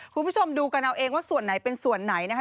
คุณผู้ชมดูกันเอาเองว่าส่วนไหนเป็นส่วนไหนนะคะ